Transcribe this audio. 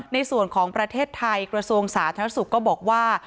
ในส่วนของประเทศไทยกระทรวงสาธารณสุขก็บอกว่า